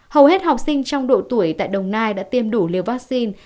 hầu hết học sinh trong độ tuổi tại đồng nai đã tiêm đủ liều vaccine